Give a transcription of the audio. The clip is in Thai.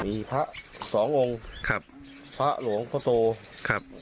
มีพระสององค์ครับพระหลวงพ่อโตขับ